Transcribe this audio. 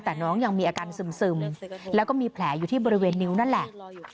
แต่น้องยังมีอาการซึมแล้วก็มีแผลอยู่ที่บริเวณนิ้วนั่นแหละ